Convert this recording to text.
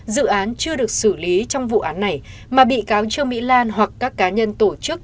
dự án chưa được xử lý trong vụ án này mà bị cáo trương mỹ lan hoặc các cá nhân tổ chức